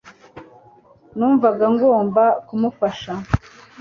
numvaga ngomba kumufasha